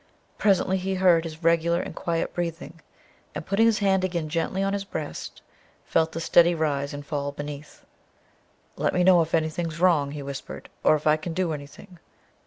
Presently he heard his regular and quiet breathing, and putting his hand again gently on the breast, felt the steady rise and fall beneath. "Let me know if anything's wrong," he whispered, "or if I can do anything.